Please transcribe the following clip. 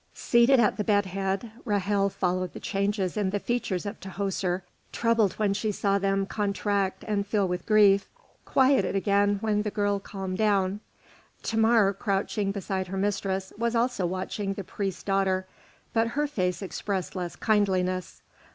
Seated at the bed head, Ra'hel followed the changes in the features of Tahoser; troubled when she saw them contract and fill with grief, quieted again when the girl calmed down. Thamar, crouching beside her mistress, was also watching the priest's daughter, but her face expressed less kindliness.